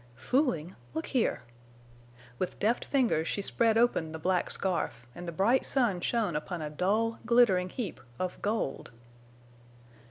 "Fooling? Look here!" With deft fingers she spread open the black scarf, and the bright sun shone upon a dull, glittering heap of gold.